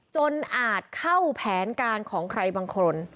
อาจเข้าแผนการของใครบางคน